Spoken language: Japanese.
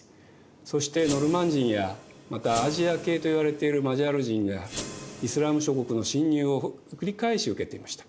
そしてノルマン人やまたアジア系といわれているマジャール人イスラーム諸国の侵入を繰り返し受けていました。